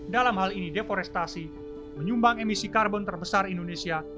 dalam hal ini deforestasi menyumbang emisi karbon terbesar indonesia